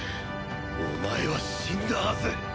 お前は死んだはず！